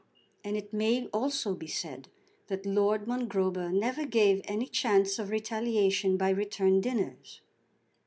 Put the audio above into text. And it may also be said that Lord Mongrober never gave any chance of retaliation by return dinners.